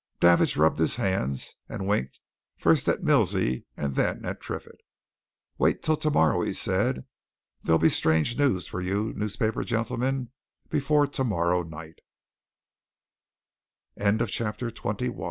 Davidge rubbed his hands and winked first at Milsey and then at Triffitt. "Wait till tomorrow!" he said. "There'll be strange news for you newspaper gentlemen before tomorrow night." CHAPTER XXII YEA AND NAY Mr. Halfpenny, face to face